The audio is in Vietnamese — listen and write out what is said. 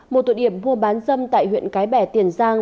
một tụ điểm mua bán dâm tại huyện cái bè tiền giang